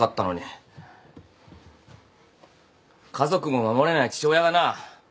家族も守れない父親がな